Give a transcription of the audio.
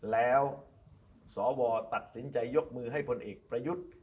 แล้วสวตัดสินใจยกมือให้พลเอกประยุทธ์